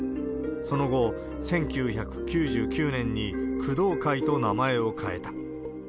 その後、１９９９年に工藤会と名前を変えた。